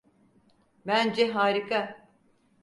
Bence harika.